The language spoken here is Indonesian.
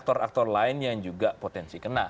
aktor aktor lain yang juga potensi kena